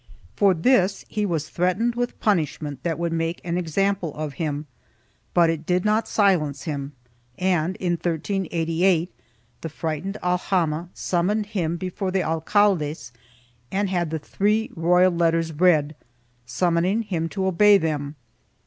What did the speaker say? For this he was threatened with punishment that would make an example of him, but it did 'not silence him and, in 1388, the frightened aljama summoned him before the alcaldes and had the three royal letters read, summon ing him to obey them.